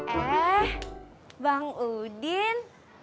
eh bang udin